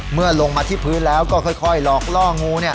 เมื่อลงมาที่พื้นแล้วก็ค่อยหลอกล่องู